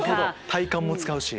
体幹も使うし。